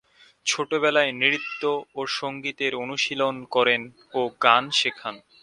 ছোটবেলায় নৃত্য ও সংগীতের অনুশীলন করেন ও গান শেখেন।